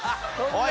おい！